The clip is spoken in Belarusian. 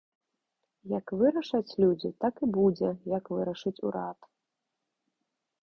Як вырашаць людзі, так і будзе, як вырашыць урад.